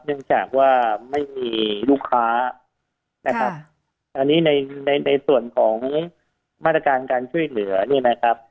เนื่องจากว่าไม่มีลูกค้านะครับอันนี้ในในในส่วนของมาตรการการช่วยเหลือเนี่ยนะครับ